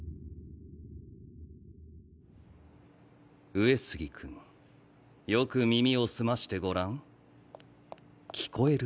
上杉君よく耳を澄ましてごらん聞こえる